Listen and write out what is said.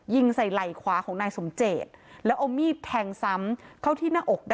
ยิงใส่ไหล่ขวาของนายสมเจ็ด